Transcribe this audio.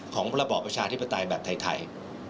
ระบอบประชาธิปไตยแบบไทย